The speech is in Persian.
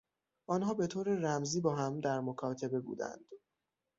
آنها به طور رمزی با هم در مکاتبه بودند.